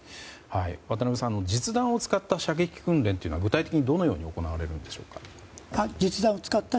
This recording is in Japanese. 渡部さん実弾を使った射撃訓練は具体的にどのように行われるんでしょうか。